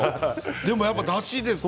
でもやっぱりだしですね。